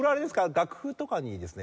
楽譜とかにですね